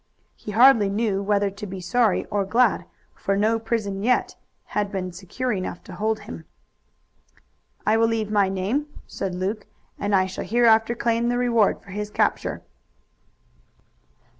He hardly knew whether to be sorry or glad, for no prison yet had been secure enough to hold him. "I will leave my name," said Luke, "and I shall hereafter claim the reward for his capture."